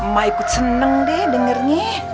maikut seneng deh dengernya